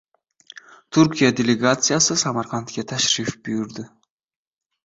Turkiya delegasiyasi Samarqandga tashrif buyurdi